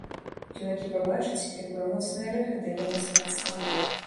Юнакі пабачаць, якое моцнае рэха дае мастацтва.